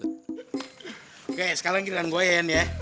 oke sekarang kirimkan gue ya ndi ya